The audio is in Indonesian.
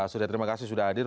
sudah terima kasih sudah hadir